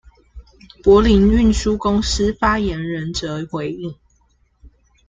柏林運輸公司發言人則回應：